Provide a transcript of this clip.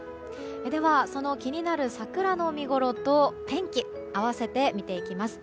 では、その気になる桜の見ごろと天気、併せて見ていきます。